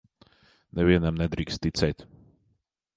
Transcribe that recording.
Nevienam nedrīkst ticēt.